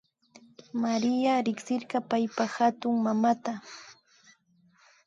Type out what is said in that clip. Maria riksirka paypa hatunmamata